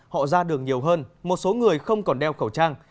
họ ra đường nhiều hơn một số người không còn đeo khẩu trang